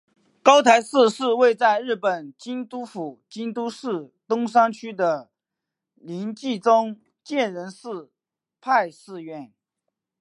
高台寺是位在日本京都府京都市东山区的临济宗建仁寺派寺院。